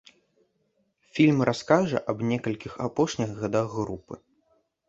Фільм раскажа аб некалькіх апошніх гадах групы.